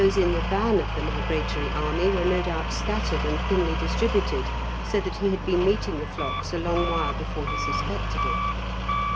Those in the van of the migratory army were no doubt scattered and thinly distributed, so that he had been meeting the flocks a long while before he suspected it.